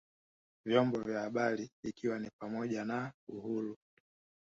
vyombo vya habari ikiwa ni pamoja na uhuru